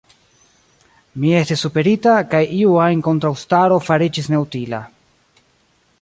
Mi estis superita, kaj iu ajn kontraŭstaro fariĝis neutila.